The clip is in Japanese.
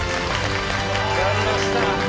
やりました。